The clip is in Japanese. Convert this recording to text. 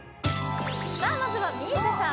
さあまずはＭＩＳＩＡさん